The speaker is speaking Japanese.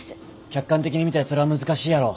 客観的に見たらそれは難しいやろ。